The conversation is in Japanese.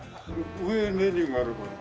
上メニューがあるから。